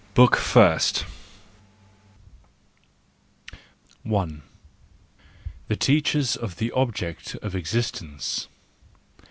BOOK FIRST The Teachers of the Object of Existence